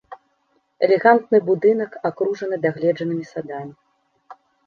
Элегантны будынак акружаны дагледжанымі садамі.